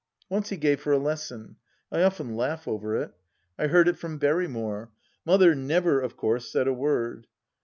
Once he gave her a lesson. I often laugh over it. I heard it from Berrymore ; Mother never, of course, said a word.